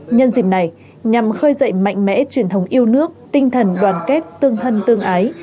nhân dịp này nhằm khơi dậy mạnh mẽ truyền thống yêu nước tinh thần đoàn kết tương thân tương ái